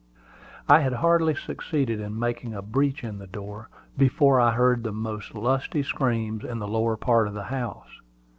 I had hardly succeeded in making a breach in the door, before I heard the most lusty screams in the lower part of the house.